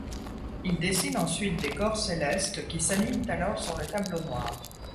Il dessine ensuite des corps célestes, qui s'animent alors sur le tableau noir.